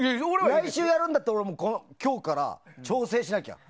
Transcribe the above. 来週やるんだったら俺は今日から調整しなきゃ。